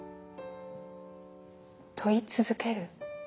問い続ける？